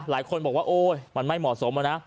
หลายคนบอกว่าโอ๊ยมันไม่เหมาะสมอะนะ